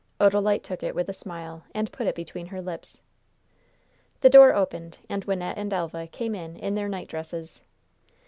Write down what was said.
Odalite took it with a smile and put it between her lips. The door opened and Wynnette and Elva came in in their nightdresses.